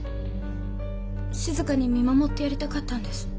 静かに見守ってやりたかったんです。